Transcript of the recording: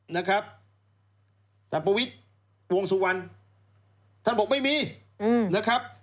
นะครับแต่ประวิทย์วงสุวรรณท่านบอกไม่มีนะครับ